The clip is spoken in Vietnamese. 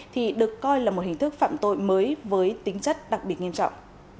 thì được coi là một hình thức phạm tội mới với tính chất đặc biệt nghiêm trọng